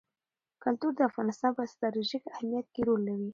کلتور د افغانستان په ستراتیژیک اهمیت کې رول لري.